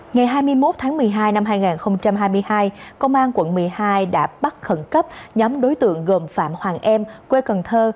ngày hai mươi một tháng một mươi hai năm hai nghìn hai mươi hai công an quận một mươi hai đã bắt khẩn cấp nhóm đối tượng gồm phạm hoàng em quê cần thơ